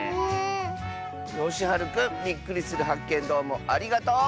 よしはるくんびっくりするはっけんどうもありがとう！